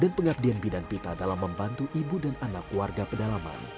dan pengabdian bidan pita dalam membantu ibu dan anak warga pedalaman